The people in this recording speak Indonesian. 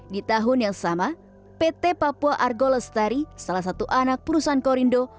di tahun yang sama pt papua argo lestari salah satu anak perusahaan korindo